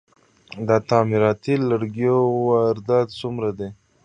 د تعمیراتي لرګیو واردات څومره دي؟